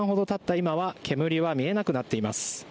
今は煙は見えなくなっています。